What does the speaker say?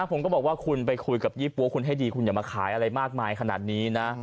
ผมก็บอกว่าคุณไปคุยกับยี่ปั๊วคุณให้ดีคุณอย่ามาขายอะไรมากมายขนาดนี้นะ